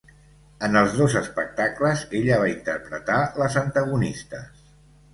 En els dos espectacles, ella va interpretar les antagonistes.